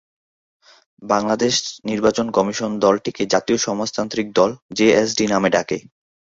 বাংলাদেশ নির্বাচন কমিশন দলটিকে জাতীয় সমাজতান্ত্রিক দল-জেএসডি নামে ডাকে।